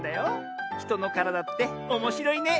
ひとのからだっておもしろいね。